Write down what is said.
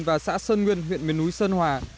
và xã sơn nguyên huyện miền núi sơn hòa